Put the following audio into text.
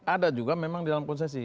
ada juga memang di dalam konsesi